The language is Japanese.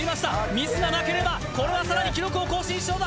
ミスがなければ、これはさらに記録を更新しそうだ。